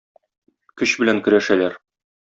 Көч белән көрәшәләр